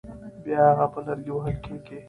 بیا هغه په لرګي وهل کېږي.